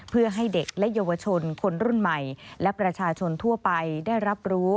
เพื่อให้เด็กและเยาวชนคนรุ่นใหม่และประชาชนทั่วไปได้รับรู้